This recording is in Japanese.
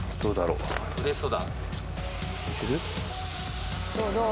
うれしそうだ。